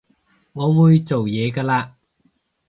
我會做嘢㗎喇